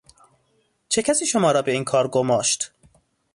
چه کسی شما را به این کار گماشت؟